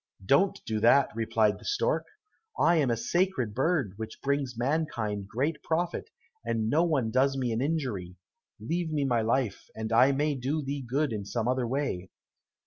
"Don't do that," replied the stork; "I am a sacred bird which brings mankind great profit, and no one does me an injury. Leave me my life, and I may do thee good in some other way."